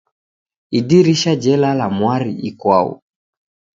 Idirisha jelala mwari ikwau